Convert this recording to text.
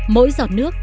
mỗi giọt nước